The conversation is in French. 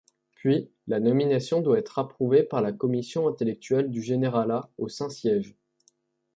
Puis la nomination doit être approuvée par la commission intellectuelle du généralat au Saint-Siège.